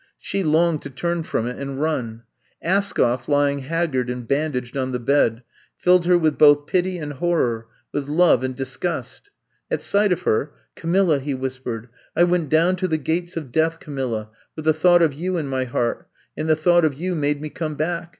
She longed to turn from it and run. Askoff, lying haggard and bandaged on the bed, filled her with both pity and horror, with love and disgust. At sight of her, Camilla, he whis pered. '' I went down to the gates of death, Camilla, with the thought of you in my heart — and the thought of you made me come back.